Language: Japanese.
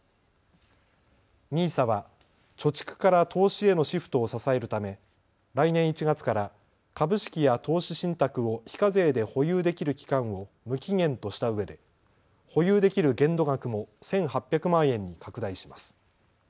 ＮＩＳＡは貯蓄から投資へのシフトを支えるため来年１月から株式や投資信託を非課税で保有できる期間を無期限としたうえで保有できる限度額も１８００万円に拡大します。